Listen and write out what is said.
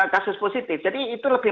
kasus positif jadi itu lebih